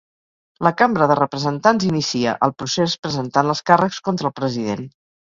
La Cambra de Representants inicia el procés presentant els càrrecs contra el president.